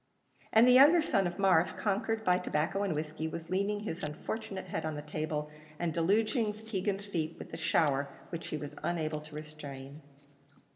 And the younger son of Mars, conquered by tobacco and whiskey, was leaning his unfortunate head on the table, and deluging Keegan's feet with the shower which he was unable to restrain.